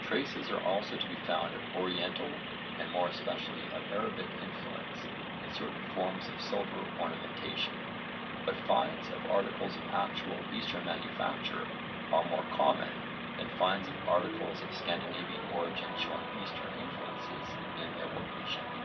Traces are also to be found of Oriental and more especially of Arabic influence in certain forms of silver ornamentation, but finds of articles of actual Eastern manufacture are more common than finds of articles of Scandinavian origin showing Eastern influences in their workmanship.